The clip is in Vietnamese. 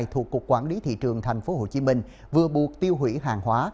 thuộc cục quản lý thị trường tp hcm vừa buộc tiêu hủy hàng hóa